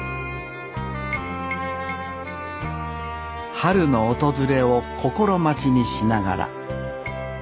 春の訪れを心待ちにしながら。